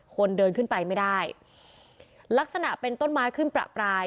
คนเดินขึ้นไปไม่ได้ลักษณะเป็นต้นไม้ขึ้นประปราย